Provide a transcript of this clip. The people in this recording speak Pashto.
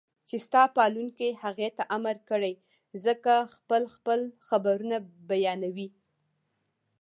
چې ستا پالونکي هغې ته امر کړی زکه خپل خپل خبرونه بيانوي